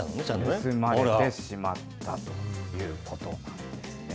盗まれてしまったということなんですね。